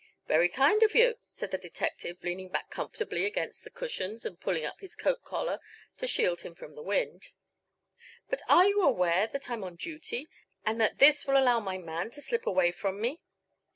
"Very kind of you," said the detective, leaning back comfortably against the cushions and pulling up his coat collar to shield him from the wind. "But are you aware that I'm on duty, and that this will allow my man to slip away from me?"